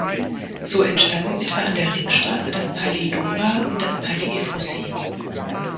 So entstanden etwa an der Ringstraße das Palais Dumba und das Palais Ephrussi.